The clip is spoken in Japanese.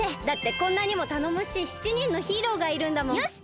だってこんなにもたのもしい７人のヒーローがいるんだもん！